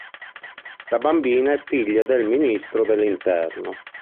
La bambina è figlia del Ministro dell'Interno.